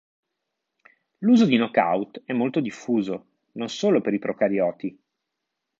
L'uso di "knock out" è molto diffuso, non solo per i procarioti.